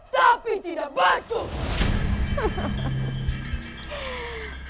tapi tidak bercanda